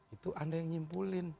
itu anda yang nyimpulin